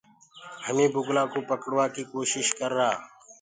همي بُگلآ ڪوُ پڙوآ ڪيٚ ڪوشش ڪرآ۔